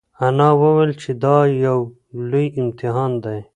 انا وویل چې دا یو لوی امتحان دی.